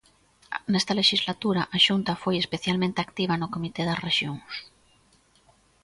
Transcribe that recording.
Nesta lexislatura a Xunta foi especialmente activa no Comité das Rexións.